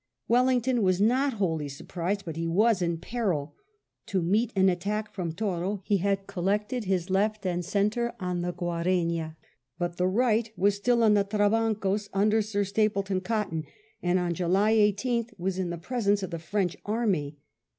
Wellington was not wholly sur prised, but he was in peril. To meet an attack from Toro, he had collected his left and centre on the Guarena, but the right was still on the Trabancos under Sir Stapleton Cotton, and on July 18th was in the i66 WELLINGTON presence of the French army.